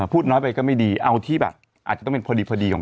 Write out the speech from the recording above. พูดน้อยไปก็ไม่ดีเอาที่แบบอาจจะต้องเป็นพอดีของ